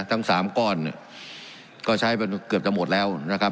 ทั้งสามก้อนเนี่ยก็ใช้ไปเกือบจะหมดแล้วนะครับ